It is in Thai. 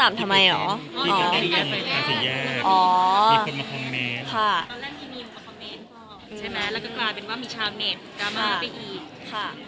แล้วก็กลายเป็นว่ามีชาวเมตรกรามากไปอีก